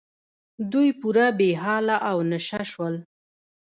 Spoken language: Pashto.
دوی پوره بې حاله او نشه شول.